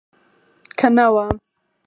که نه وه.